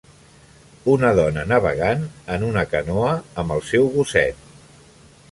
Una dona navegant en una canoa amb el seu gosset